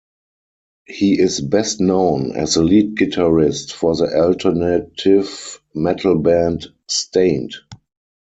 He is best known as the lead guitarist for the alternative metal band Staind.